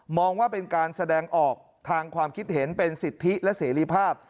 ว่าเป็นการแสดงออกทางความคิดเห็นเป็นสิทธิและเสรีภาพ